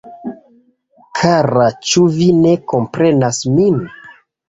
Kara ĉu vi ne komprenas min?